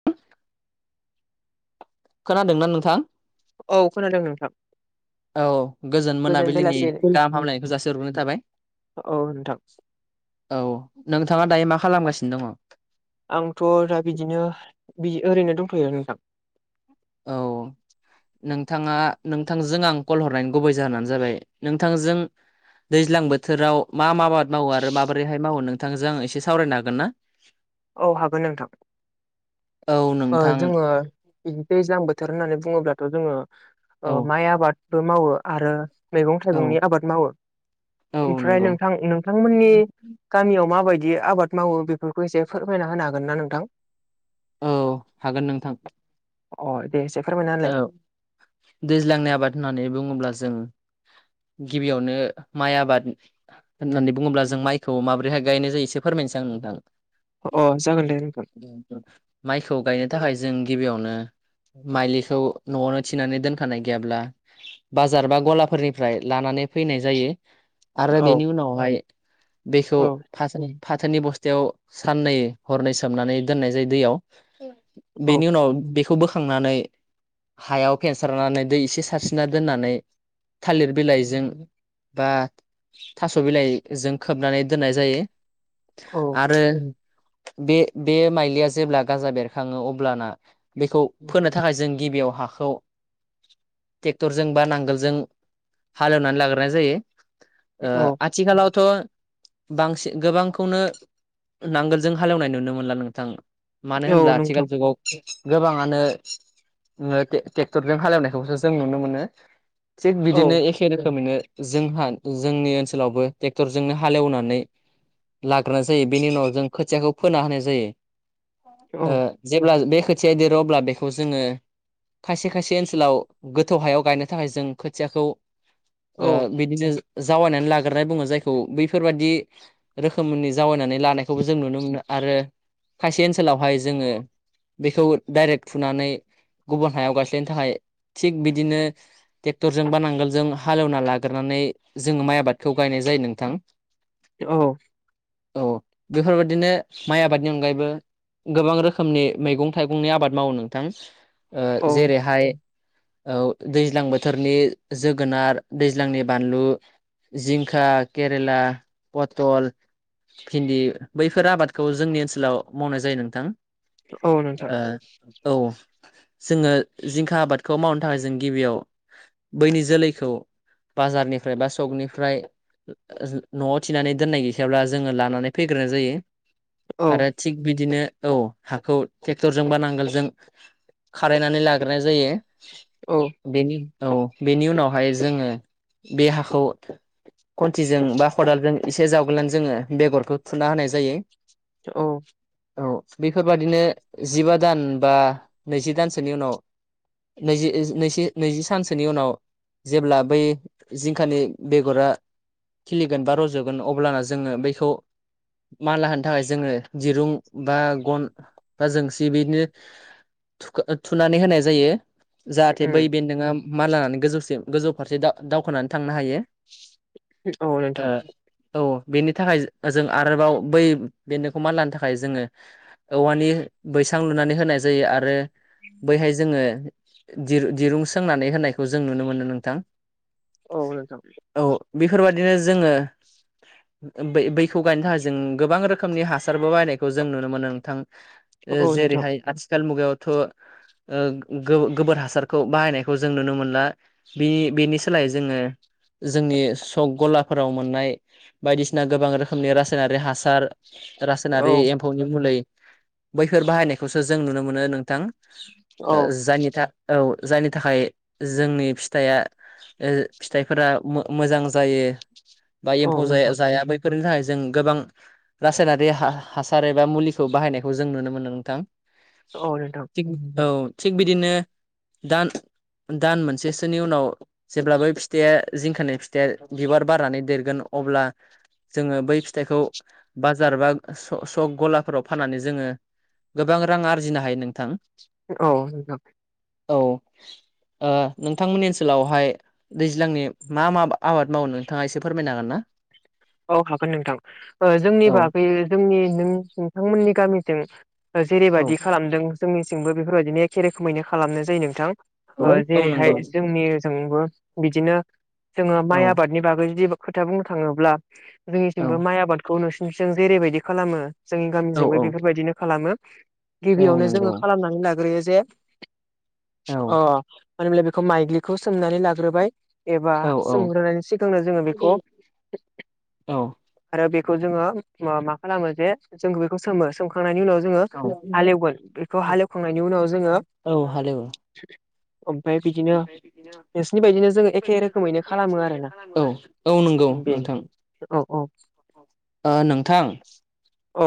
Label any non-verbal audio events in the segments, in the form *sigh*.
*inaudible* खोनादोंना नोंथां? औ खोनादों नोंथां। औ गोजोन मोनाबिलिनि गाहाम हामलायनायखौ जासि हरग्रोनाय थाबाय। औ नोंथां। औ नोंथाङा दायो मा खालामगासिनो दङ? आंथ' दा बिदिनो बि ओरैनो दंथ'यो नोंथां। औ नोंथाङा नोंथांजों आं कल हरनायनि गुबै जाहोनानो जाबाय नोंथांजों दैज्लां बोथोराव मा मा आबाद मावो आरो माबोरैहाय मावो नोंथांजों आं एसे सावरायनो हागोन ना? *inaudible* औ हागोन नोंथां औ ओ नोंथां जोङो बे दैज्लां बोथोर होननानै बुङोब्लाथ' जोङो ओ औ माइ आबादबो मावो आरो मैगं औ थाइगंनि आबाद मावो। औ ओमफ्राय नंगौ नोंथां नोंथांमोननि गामियाव माबायदि आबाद मावो बेफोरखौ एसे फोरमायना होनो हागोन ना नोंथां? औ हागोन नोंथां। अ दे एसे फोरमायना औ होलाय दैज्लांनि आबाद होननानै बुङोब्ला जों गिबियावनो माइ आबाद होननानै बुङोब्ला जों माइखौ माबोरैहाय गायनाय जायो एसे फोरमायनोसै आं नोंथां अ जागोन दे नोंथां माइखौ गायनो थाखाय जों गिबियावनो माइलि खौ न'आवनो थिनानै दोनखानाय गैयाब्ला बाजार बा गलाफोरनिफ्राय लानानै फैनाय जायो। आरो औ बेनि उनावहाय बेखौ औ फाथो-फाथोनि बस्थायाव साननै हरनै सोमनानै दोननाय जायो दैयाव। औ बेनि उनाव बेखौ बोखांनानै हायाव फेनसारनानै दै एसे सारस्रिना दोननानै थालिर बिलाइजों बा थास' बिलाइजों खोबनानै दोननाय जायो। औ। आरो बे-बे माइलिया जेब्ला गाजा बेरखाङो अब्लाना बेखौ फोनो थाखाय जों गिबियाव हाखौ ट्रेक्टरजों बा नांगोलजों हालेवनानै लाग्रोनाय जायो। ओ औ आ थिखालावथ' बांसिन गोबांखौनो नांगोलजों हालेवनाय नुनो मोनला नोंथां मानो औ होनब्ला नोंथां आथिखाल जुगाव गोबाङानो ओ टे-टेक्टरजों हालेवनायखौसो जों नुनो मोनो। थिग औ बिदिनो एख खे रोखोमैनो जोंहा जोंनि ओनसोलावबो टेक्टरजोंनो हालेवनानै लाग्रोनाय जायो बेनि उनाव जों खोथियाखौ फोना होनाय जायो। औ ओ जेब्ला बे खोथिया देरो अब्ला बेखौ जोङो खायसे खायसे ओनसोलाव गोथौ हायाव गायनो थाखाय जों खोथियाखौ औ ओ बि बिदिनो जावायनानै लाग्रोनाय बुङो जायखौ बैफोरबादि रोखोमनि जावायनानै लानायखौबो जों नुनो मोनो आरो खायसे ओनसोलावहाय जोङो बेखौ डाइरेक फुनानै गुबुन हायाव गायस्लायनो थाखाय थिग बिदिनो टेक्टरजों बा नांगोलजों हालेवना लाग्रोनानै जोङो माइ आबादखौ गायनाय जायो नोंथां। *inaudible* औ। औ औ बेफोरबायदिनो माइ आबादनि अनगायैबो गोबां रोखोमनि मैगं थाइगंनि आबाद मावो नोंथां ओ औ जेरैहाय औ दैज्लां बोथोरनि जोगोनार दैज्लांनि बानलु जिंखा केरेला पटल भिन्दि बैफोर आबादखौ जोंनि ओनसोलाव मावनाय जायो नोंथां। औ नोंथां ओ औ। जोङो जिंखा आबादखौ मावनो थाखाय जों गिबियाव बैनि जोलैखौ बाजारनिफ्राय बा सकनिफ्राय न'आव थिनानै दोननाय गैखायाब्ला जोङो लानानै फैग्रोनाय जायो। औ आरो थिग बिदिनो औ हाखौ ट्रेक्टरजों बा नांगोलजों खारायनानै लाग्रोनाय जायो। औ। बेनि औ बेनि उनावहाय जोङो बे हाखौ खन्थिजों बा खदालजों एसे जावगनानै जोङो बेगरखौ थुना होनाय जायो। औ। औ बेफोरबादिनो जिबा दान बा नैजि दानसोनि उनाव नैजि-नैजि-नैजि सानसोनि उनाव जेब्ला बै जिंखानि बेगरा खिलिगोन बा रज'गोन अब्लाना जोङो बैखौ मानला होनो थाखाय जोङो दिरुं बा गन बा जोंसि बिदिनो थुखो-थुनानै होनाय जायो जाहाथे उम बै बेन्दोंङा मानलानानै गोजौसिम गोजौ फारसे दावखोनानै थांनो हायो। औ नोंथां। औ बेनि थाखाय ओ जों आरोबाव बै बेनदोंखौ मानलानो थाखाय जोङो औवानि बैसां लुनानै होनाय जायो आरो बैहाय जोङो दिर दिरुं सोंनानै होनायखौ जों नुनो मोनो नोंथां औ नोंथां औ बेफोरबादिनो जोङो बै बैखौ गायनो थाखाय जों गोबां रोखोमनि हासारबो बायनायखौ जों नुनो मोनो नोंथां औ नोंथां जेरैहाय आथिखाल मुगायाव थ' ओ गोबोर हासारखौ बाहायनायखौ जों नुनो मोनला बि बेनि सोलाय जोङो जोंनि सक गलाफोराव मोननाय बायदिसिना गोबां रोखोमनि रासायनारि हासार औ रासायनारि एम्फौनि मुलै बैफोर बाहायनायखौसो जों नुनो मोनो नोंथां औ जायनि था औ जायनि थाखाय जोंनि फिथाइया ओ फिथाइफोरा मोजां जायो बा औ एम्फौ जाया नोंथां जायाबो फोरनि थाखाय जों गोबां रासायनारि हासार एबा मुलिखौ बाहायनायखौ जों नुनो मोनो नोंथां औ *unintelligible* नोंथां थिग औ थिग बिदिनो दान-दान मोनसेसोनि उनाव जेब्ला‌ बै फिथाइा जिंखानि फिथाइया बिबार बारनानै देरगोन अब्ला जोङो बै फिथाइखौ बाजार बा स' सक गलाफोराव फाननानै जोङो गोबां रां आरजिनो हायो नोंथां औ नोंथां औ ओ नोंथांमोननि ओनसोलावहाय दैज्लांनि मा-मा आबाद मावो नोंथाङा एसे फोरमायनो हागोन ना औ हागोन नोंथां जोंनि औ बागै जोंनि नों नोंथांमोननि गामिथिं जेरैबायदि खालामदों जोंनिसिंबो बेफोरबायदिनो एखे रोखोमैनो खालामनाय जायो नोंथां ओ औ औ जेरैहाय नंगौ जोंनि जोंबो बिदिनो जोङो औ माइ आबादनि बागै जुदि खोथा बुंनो थाङोब्ला औ जोंनिथिंबो माइ आबादखौ नोंसोरनिजों जेरैबायदि खालामो जोंनि औ गामिजोंबो औ बेफोरबायदिनो खालामो औ गिबियावनो नंगौ जोङो खालामनानै लाग्रोयो जे औ अह मानो होनब्ला बेखौ माइग्लिखौ सोमनानै लाग्रोबाय एबा औ सोमग्रोनायनि सिगांनो जोङो बेखौ औ आरो बेखौ जोङो मा-मा खालामो जे जों बेखौ सोमो सोम खांनायनि उनाव जोङो हालेवगोन बेखौ हालेवखांनायनि उनाव जोङो औ हालेवो ओमफाय बिदिनो नोंसिनि बायदिनो जों एखे रोखोमैनो खालामो आरोना औ औ नंगौ नोंथां ओ नोंथां औ-औ-औ।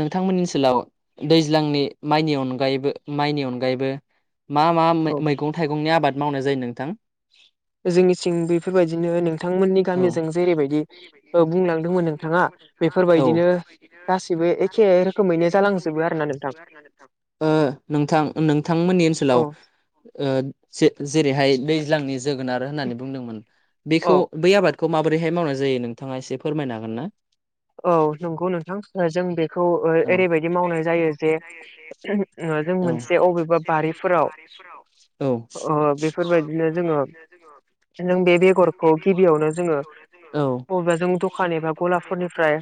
नोंथांमोननि ओनसोलाव। दैज्लांनि माइनि अनगायैबो-माइनि अनगायैबो। मा-मा औ मैगं-थाइगंनि आबाद मावनाय जायो नोंथां। जोंनिथिं बैफोरबायदिनो नोंथांमोननि औ गामिजों जेरैबायदि ओ बुंलांदोंमोन नोंथाङा‌ बेफोरबायदिनो। बेफोरबायदिनो गासिबो एखे गासिबो एखे रोखोमैनो जालांजोबो रोखोमैनो आरोना नोंथां जालांजोबो आरो ना नोंथां। ओ नोंथां नोंथांमोननि ओनसोलाव औ ओ जे जेरैहाय दैज्लांनि जोगोनार होननानै बुंदोंमोन बेखौ औ बै आबादखौ माबोरैहाय मावनाय जायो नोंथाङा एसे फोरमायनो हागोन ना औ नंगौ नोंथां जों बे खौ औ एरैबायदि मावनाय जायो जे जों मोनसे औ अबेबा बारिफोराव औ ओ बेफोरबायदिनो जोङो जों बे बेगरखौ गिबियावनो जोङो औ बबेबा जों दखान एबा गलाफोरनिफ्राय फ्राय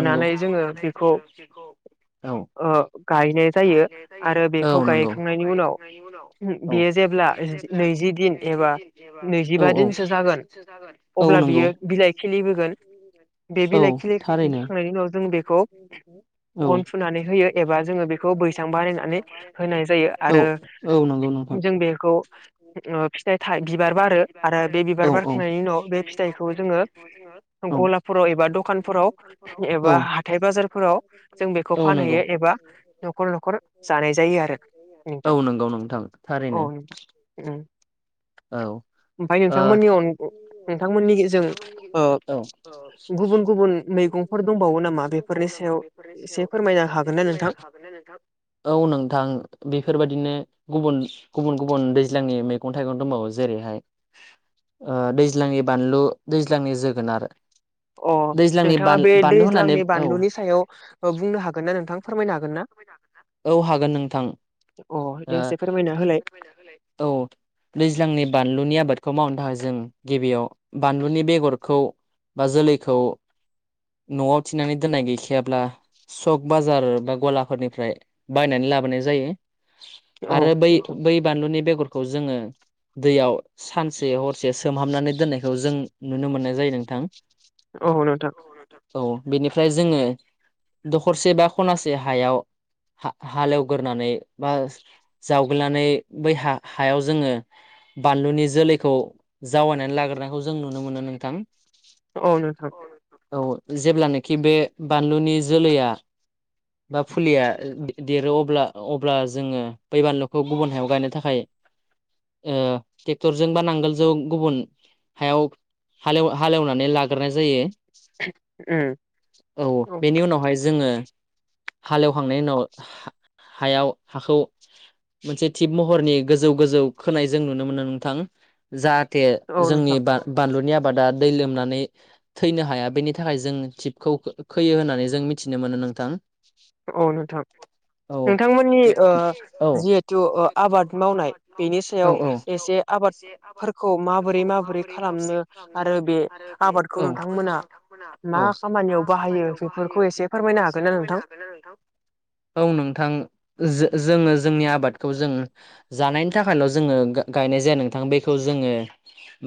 नंगौ जोङो बे जोंङो बेखौ। औ- औ गायनाय जायो गायनाय जायो आरो बेखौ औ नंगौ जों बेखौ गायखांनायनि उनाव गायखांनायनि उनाव। औ बेयो जेब्ला बेयो जेब्ला नैजि दिन एबा नैजिदिन एबा औ नैजिबा - दिनसो नैजिबा जागोन दिनसो जागोन। अब्ला बियो बिलाइ खिलिबोगोन बे औ बिलाइ थारैनो खिलिखांनायनि उनाव जों बेखौ। औ गन थुनानै होयो एबा जोङो बेखौ बैसां बानायनानै होनाय जायो औ आरो। औ नंगौ नोंथां जों बेखौ ओ फिथाइ था बिबार बारो आरो बे औ बिबार औ बारखांनायनि। उनाव बे फिथाइखौ जोङो औ गलाफोराव एबा दखानफोराव औ एबा हा। थाय बाजारफोराव जों बेखौ औ नंगौ फानहैयो एबा न'खर-न'खर जानाय जायो आरो। औ नोंथां नंगौ नोंथां थारैनो। ओम। औ ओ ओमफाय नोंथांमोननि अन नोंथांमोननिजों ओ। औ गुबुन-गुबुन मैगंफोर दंबावो नामा बेफोरनि सायाव एसे फोरमायनो हागोन ना नोंथां? गोन्ना नोंथां औ नोंथां बेफोरबायदिनो गुबुन-गुबुन- गुबुन दैज्लांनि मेग। गं थाइगं। दंबावो जेरैहाय ओ दैज्लांनि बानलु, दैज्लांनि जोगोनार। अ दैज्लांनि नोंथाङा बान बे बानलु होननानै दैज्लांनि औ बानलुनि सायाव बुंनो हागोन ना नोंथां फोरमायनो हा? फोरमायनो हागोनना? औ हागोन नोंथां अ दे ओ एसे फोरमायना होलाय दे फोरमायना होलाय। औ। दैज्लांनि बानलुनि आबादखौ मावनो थाखाय जों गिबियाव बानलुनि बेगरखौ। बा जोलैखौ। न'आव थिनानै दोननाय गैखायाब्ला सक, बाजार बा गला। फोरनिफ्राय बायनानै लाबोनाय जायो औ आरो नोंथां बै- बै। बानलुनि बेगरखौ जोङो। दैयाव सानसे, हरसे सोमहाबनानै दोननायखौ जों नुनो मोननाय जायो नोंथां। औ नोंथां। औ नों थां। औ बेनिफ्राय जोङो दखरसे बा खनासे हायाव। हा-हालेवग्रोनानै बा जावग्लिनानै बै हा- हायाव जोङो। बानलुनि जोलैखौ जावायनानै लाग्रोनायखौ जों नुनो मोनो नोंथां। औ नोंथां। औ जेब्लानोखि बे बानलुनि जोलैया। बा फुलिया। देरो अब्ला -अब्ला जोङो बै बानलुखौ गुबुन हायाव गायनो थाखाय। ओ ट्रेक्टरजों बा नांगोलजों गुबुन। हायाव हालेव- हालेवनानै लाग्रोनाय जायो। ओम। औ बेनि उनावहाय जोङो। हालेवखांनायनि उनाव हा-हायाव हाखौ। मोनसे थिग महरनि गोजौ गोजौ खोनाय जों नुनो मोनो नोंथां। जाहाथे औ जोंनि नोंथां बा-बानलुनि आबादा दै लोमनानै। थैनो हाया बेनि थाखाय जों थिबखौ खो-खोयो होननानै जों मिथिनो मोनो नोंथां। अ नोंथां। औ नोंथांमोननि औ ओ-जिहेथु ओ-आबाद मावनाय बेनि औ सायाव एसे आबादफोरखौ माबोरै माबोरै खालामनो आरो बे आबादखौ औ नोंथांमोना। मा खामानियाव बाहायो बेफोरखौ एसे। बेफोरखौ फोरमायनो एसे हागोन ना नोंथां? फोरमायनो हागोन ना नोंथां? औ नोंथां जो-जोङो जोंनि आबादखौ जों। जानायनि थाखायल' जोङो गायनाय जाया नोंथां बेखौ जोङो।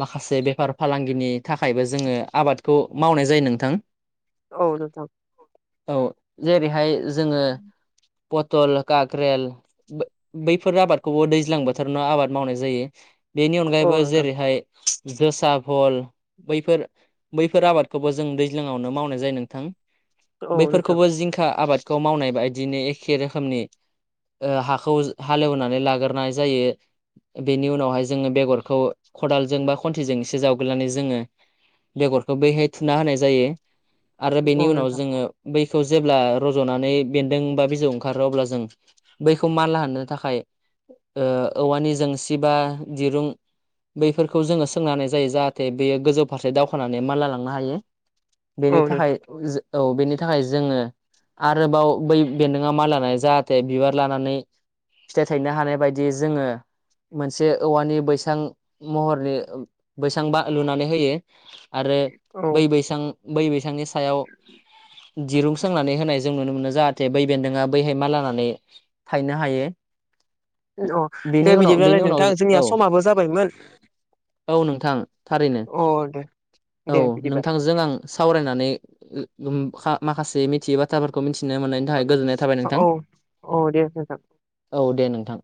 माखासे बेफार फालांगिनि थाखायबो जोङो आबादखौ मावनाय जायो नोंथां। औ नोंथां। औ जेरैहाय जोङो पतल, काक्रेल। बै-बैफोर आबादखौबो दैज्लां बोथोरावनो आबाद मावनाय जायो। बेनि औ अनगायैबो नोंथां जेरैहाय जोसा भल बैफोर। बैफोर आबादखौबो जों दैज्लाङावनो मावनाय जायो नोंथां। औ नोंथां बैफोरखौबो जिं आबादखौ मावनाय बायदिनो एखे रोखोमनि। ओ-हाखौ हालेवनानै लागोरनाय जायो। बेनि उनावहाय जोङो बेगरखौ खदालजों बा खन्थिजों एसे जावग्लिनानै जोङो। बेगरखौ बैहाय थुना होनाय जायो आरो बेनि औ उनाव नोंथां जोङो बैखौ जे अब्ला रज'नानै बेन्दों बा बिजौ ओंखारो अब्ला जों बैखौ मानला होनो थाखाय। ओ-औवानि जोंसि बा दिरुं। बैफोरखौ जोङो सोंनानै जायो जाहाथे बेयो गोजौ फारसे दावखानानै मानला लांनो हायो। बेनि औ थाखाय नोंथां ज-औ बेनि थाखाय जोङो। आरोबाव बै बेन्दोंआ मानलानाय जाहाथे बिबार लानानै फिथाइ थायनो हानाय बायदि जोङो। मोनसे औवानि बैसां महरनि बैसां बा लुनानै होयो। आरो औ बै बैसां बै बैसांनि सायाव दिरुं सो सोंनानै होनाय जों नुनो मोनो जाहाथे बै बेन्दोंआ बैहाय मानलानानै थायनो हायो। अ बेनि दे उनाव बेनि बिदिब्लालाय उनाव नोंथां औ जोंनिया समाबो जाबायमोन। औ नोंथां थारैनो अ दे औ दे बिदिबा नोंथांजों आं सावरायनानै ओ-उम माखासे मिथियै बाथ्राफोरखौ मिथिनो मोननायनि थाखाय गोजोन्नाय औ औ दे नोंथां। औ दे नोंथां।